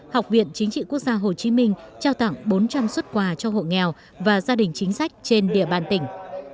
học viện chính trị quốc gia hồ chí minh trao tặng bốn trăm linh xuất quà cho hộ nghèo và gia đình chính sách trên địa bàn tỉnh